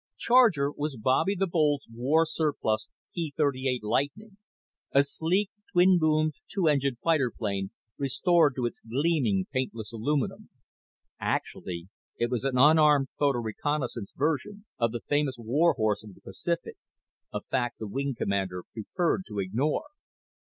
Charger was Bobby the Bold's war surplus P 38 Lightning, a sleek, twin boomed two engine fighter plane restored to its gleaming, paintless aluminum. Actually it was an unarmed photo reconnaissance version of the famous war horse of the Pacific, a fact the wing commander preferred to ignore.